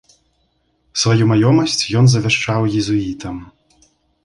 Сваю маёмасць ён завяшчаў езуітам.